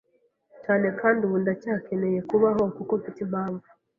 cyane kandi ubu ndacyakeneye kubaho kuko mfite impamvu